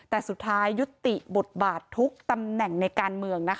แต่สุดท้ายยุติบทบาททุกตำแหน่งในการเมืองนะคะ